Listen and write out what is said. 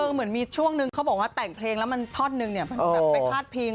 เหมือนมีช่วงนึงเขาบอกว่าแต่งเพลงแล้วมันทอดนึงเนี่ย